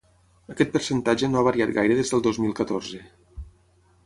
Aquest percentatge no ha variat gaire des del dos mil catorze.